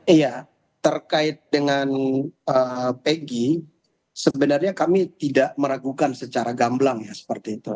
iya terkait dengan pg sebenarnya kami tidak meragukan secara gamblang ya seperti itu